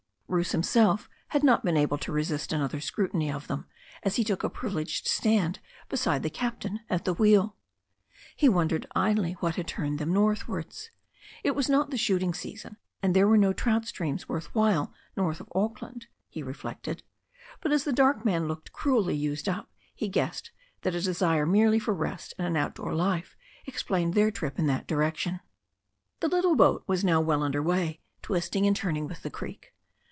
Bruce himself had not been able to resist another scru tiny of them as he took a privileged stand beside the cap tain at the wheel. He wondered idly what had turned them northwards. It was not the shooting season, and there were no trout streams worth while north of Auckland, he re flected, but as the dark man looked cruelly used up he guessed that a desire merely for rest and an outdoor life explained their trip in that direction. The little boat was now well under way, twisting and turning with the creek.